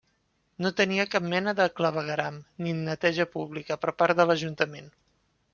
No tenia cap mena de clavegueram, ni neteja pública per part de l'ajuntament.